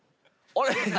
あれ！？